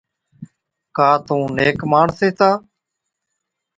ڪا تُون هيڪ نيڪ ماڻس هِتا،